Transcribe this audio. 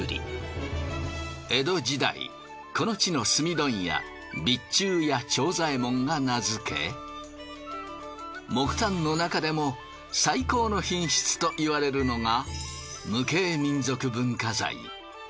江戸時代この地の炭問屋備中屋長左衛門が名づけ木炭のなかでも最高の品質といわれるのが。